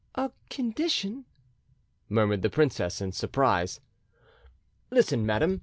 "A condition?" murmured the princess in surprise. "Listen, madam.